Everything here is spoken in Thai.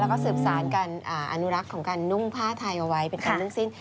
แล้วก็สืบสารการอนุรักษ์ของการนุ่งผ้าไทยเอาไว้เป็นการเรื่องสิ้น